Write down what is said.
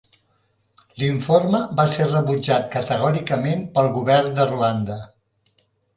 L'informe va ser rebutjat categòricament pel govern de Ruanda.